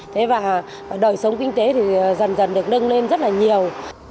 thế và đời sống kinh tế thì dần dần được nâng lên rất là nhiều